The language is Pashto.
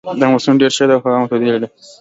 دا موسم ډېر ښه ده او هوا معتدله ده